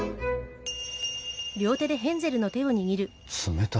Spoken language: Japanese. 冷たい。